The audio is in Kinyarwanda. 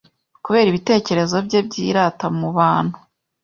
kubera ibitekerezo bye byirata mubantu